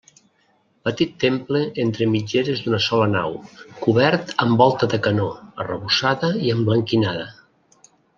Petit temple entre mitgeres d'una sola nau, cobert amb volta de canó, arrebossada i emblanquinada.